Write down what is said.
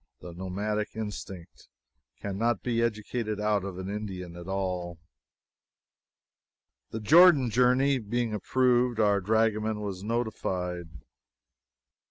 The nomadic instinct can not be educated out of an Indian at all. The Jordan journey being approved, our dragoman was notified.